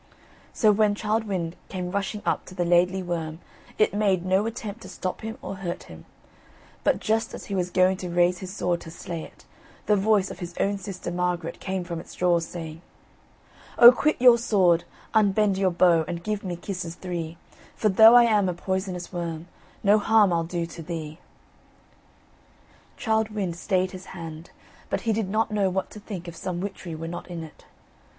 So when Childe Wynd came rushing up to the Laidly Worm it made no attempt to stop him or hurt him, but just as he was going to raise his sword to slay it, the voice of his own sister Margaret came from its jaws saying: "O, quit your sword, unbend your bow, And give me kisses three; For though I am a poisonous worm, No harm I'll do to thee." Childe Wynd stayed his hand, but he did not know what to think if some witchery were not in it.